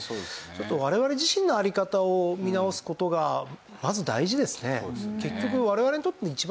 我々自身の在り方を見直す事がまず大事ですね。